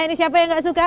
ini siapa yang gak suka